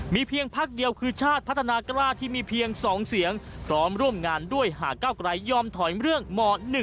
เพียงพักเดียวคือชาติพัฒนากล้าที่มีเพียง๒เสียงพร้อมร่วมงานด้วยหากเก้าไกลยอมถอยเรื่องหมอ๑